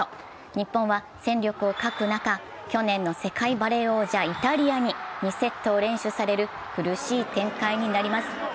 日本は戦力を欠く中、去年の世界バレー王者・イタリアに２セットを先取される苦しい展開になります。